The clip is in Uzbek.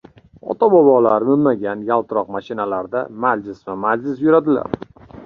Ota-bobolari minmagan yaltiroq mashinalarda, majlisma-majlis yuradilar.